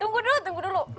tunggu dulu tunggu dulu